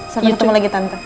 sampai ketemu lagi tante